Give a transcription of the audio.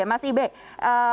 kita sama sama tahu bahwa